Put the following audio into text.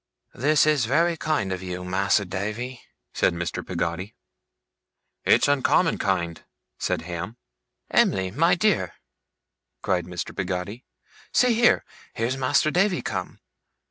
'This is very kind of you, Mas'r Davy,' said Mr. Peggotty. 'It's oncommon kind,' said Ham. 'Em'ly, my dear,' cried Mr. Peggotty. 'See here! Here's Mas'r Davy come!